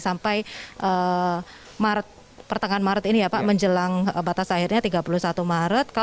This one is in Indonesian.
sampai pertengahan maret ini ya pak menjelang batas akhirnya tiga puluh satu maret